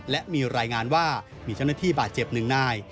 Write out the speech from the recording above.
และมีรายงานว่ามีเจ้าหน้าที่บาดเจ็บหนึ่งนาย